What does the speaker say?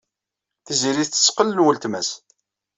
Tiziri tettett qell n weltma-s.